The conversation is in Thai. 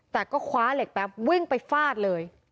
แต่ก็คว้าเหล็กแป๊บวิ่งไปฟาดเลย